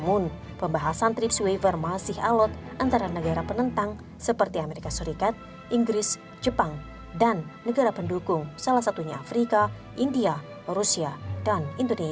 untuk melakukan fungsi narkotik di sana